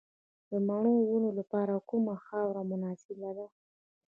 د مڼو د ونو لپاره کومه خاوره مناسبه ده؟